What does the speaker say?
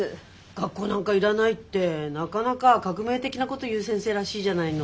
学校なんかいらないってなかなか革命的なこと言う先生らしいじゃないの。